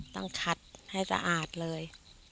ต้องคัดให้สะอาดเลย